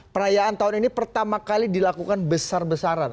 perayaan tahun ini pertama kali dilakukan besar besaran